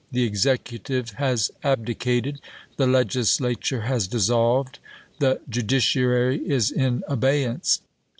The Executive has abdicated ; the Legislature has dissolved ; the Judici ary is in abeyance.